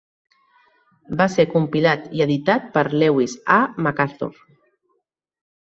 Va ser compilat i editat per Lewis A. McArthur.